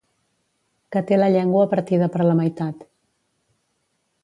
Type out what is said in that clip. Que té la llengua partida per la meitat.